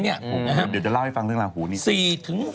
เดี๋ยวจะเล่าให้ฟังเรื่องลาหูนี้